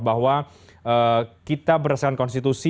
bahwa kita berdasarkan konstitusi